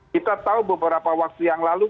kita tahu beberapa waktu yang lalu